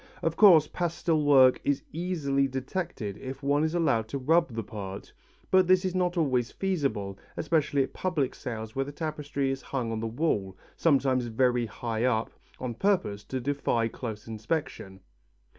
Of course pastel work is easily detected if one is allowed to rub the part, but this is not always feasible, especially at public sales where the tapestry is hung on the wall, sometimes very high up, on purpose to defy close inspection.